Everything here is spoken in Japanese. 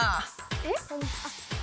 えっ？